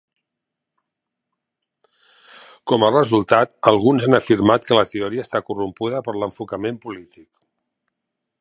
Com a resultat, alguns han afirmat que la teoria està corrompuda per l'enfocament polític.